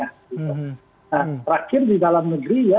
nah terakhir di dalam negeri ya